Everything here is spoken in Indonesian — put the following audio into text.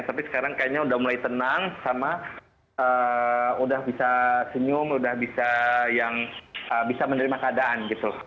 tapi sekarang kayaknya sudah mulai tenang sama sudah bisa senyum sudah bisa menerima keadaan